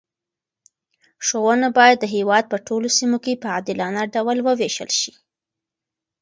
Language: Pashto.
ښوونه باید د هېواد په ټولو سیمو کې په عادلانه ډول وویشل شي.